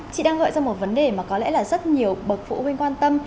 chị đang gọi ra một vấn đề mà có lẽ là rất nhiều bậc phụ huynh quan tâm